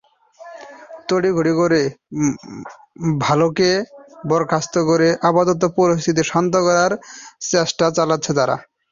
তড়িঘড়ি করে ভালকেকে বরখাস্ত করে আপাতত পরিস্থিতি শান্ত করার চেষ্টা চালাচ্ছে তারা।